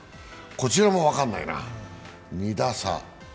こちらも分からないな、２打差。